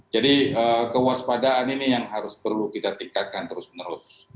jadi kewaspadaan ini yang harus perlu kita tingkatkan terus menerus